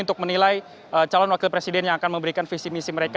untuk menilai calon wakil presiden yang akan memberikan visi misi mereka